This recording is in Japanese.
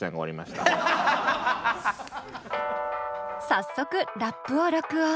早速ラップを録音。